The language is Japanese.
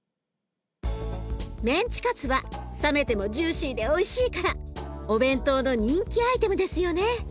メンチカツは冷めてもジューシーでおいしいからお弁当の人気アイテムですよね。